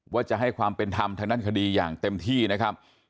ว่าจะให้ความเป็นธรรมทางด้านคดีอย่างเต็มที่นะครับ